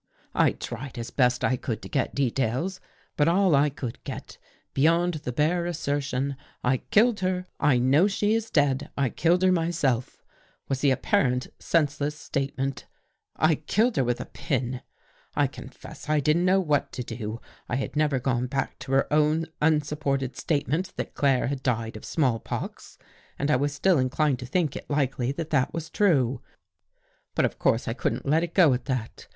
" I tried as best I could to get details. But all I could get, beyond the bare assertion ' I killed her. I know she is dead. I killed her myself !' was the apparently senseless statement —' I killed her with a pin.' "" I confess I didn't know what to do. I had never gone back of her own unsupported statement that Claire had died of small pox and I was still inclined to think it likely that that was true. But of course I couldn't let it go at that.